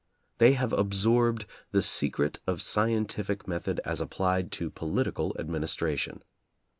They have ab sorbed the secret of scientific method as applied to political administration.